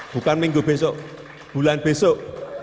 bukan minggu besok bulan besok